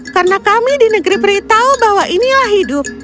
karena kami di negeri peri tahu bahwa inilah hidup